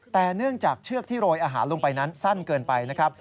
แต่เนื่องจากเชือกที่โรยอาหารลงไปนั้นสั้นเกินไปนะครับ